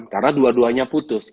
karena dua duanya putus